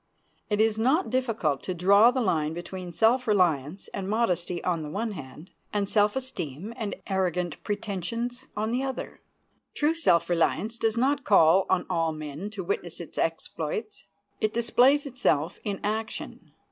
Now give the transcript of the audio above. It is not difficult to draw the line between self reliance and modesty on the one hand, and self esteem and arrogant pretensions on the other. True self reliance does not call on all men to witness its exploits. It displays itself in action.